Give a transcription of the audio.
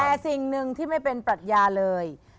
แต่สิ่งหนึ่งที่ไม่เป็นปรัชญาเลย